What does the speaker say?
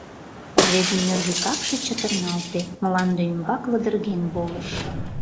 Рвезын нӧргӧ капше чытырналте, мланде ӱмбак лыдырген волыш.